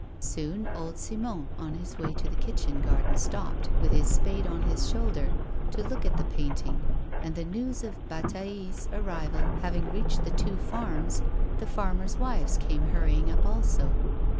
Soon old Simon on his way to the kitchen garden stopped, with his spade on his shoulder, to look at the painting, and the news of Bataille's arrival having reached the two farms the farmers' wives came hurrying up also.